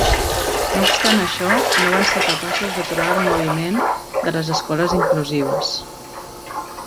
No obstant això, no van ser capaços d'aturar el moviment de les escoles inclusives.